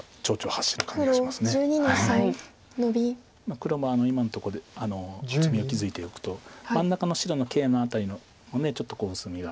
黒も今のとこで厚みを築いておくと真ん中の白のケイマ辺りのちょっと薄みが。